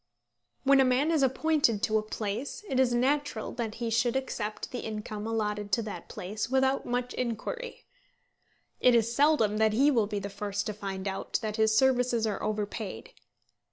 When a man is appointed to a place, it is natural that he should accept the income allotted to that place without much inquiry. It is seldom that he will be the first to find out that his services are overpaid.